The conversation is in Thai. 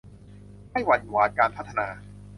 ไม่หวั่นหวาดการพัฒนา